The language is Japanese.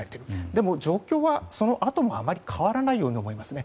でも状況はそのあともあまり変わらないように思います。